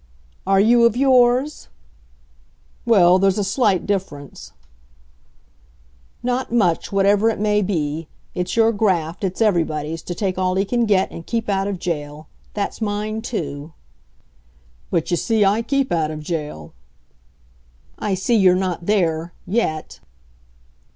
"Are you of yours?" "Well there's a slight difference." "Not much, whatever it may be. It's your graft it's everybody's to take all he can get, and keep out of jail. That's mine, too." "But you see I keep out of jail." "I see you're not there yet."